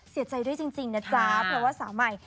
เสียใจด้วยจริงนะจ๊ะเพราะว่าสาวใหม่